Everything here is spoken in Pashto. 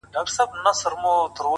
o سترگي له سترگو بېرېږي٫